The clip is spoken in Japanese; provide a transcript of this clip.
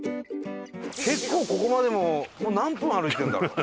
結構ここまでもう何分歩いてるんだろう？